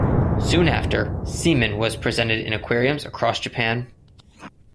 Soon after, Seaman was presented in aquariums across Japan.